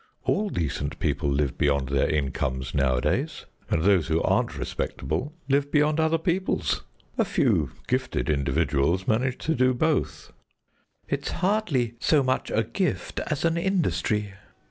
All decent people live beyond their incomes nowadays, and those who aren't respectable live beyond other peoples. A few gifted individuals manage to do both." "It's hardly so much a gift as an industry."